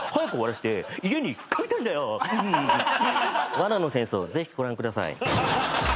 『罠の戦争』ぜひご覧ください。